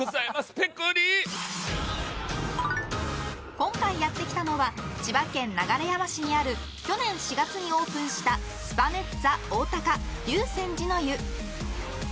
今回やってきたのは千葉県流山市にある去年４月にオープンしたスパメッツァおおたか竜泉寺の湯。